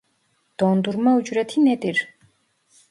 Dondurma ücreti nedir